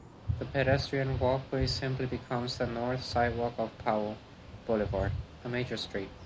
The pedestrian walkway simply becomes the north sidewalk of Powell Boulevard, a major street.